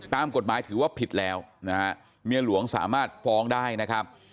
ตามกฎหมายถือว่าผิดแล้วนะฮะเมียหลวงสามารถฟ้องได้นะครับ